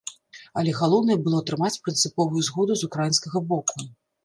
Але галоўнае было атрымаць прынцыповую згоду з украінскага боку.